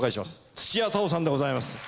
土屋太鳳さんでございます。